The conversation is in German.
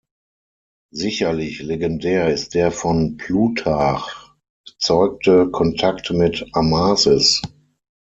Sicherlich legendär ist der von Plutarch bezeugte Kontakt mit Amasis.